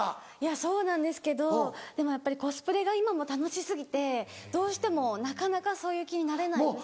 そうなんですけどでもやっぱりコスプレが今もう楽し過ぎてどうしてもなかなかそういう気になれないんです。